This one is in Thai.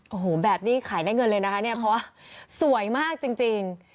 โอ้โหแบบนี้ขายได้เงินเลยนะคะเนี่ยเพราะสวยมากจริง